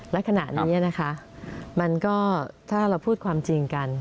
และขณะนี้นะคะมันก็ถ้าเราพูดความจริงกัน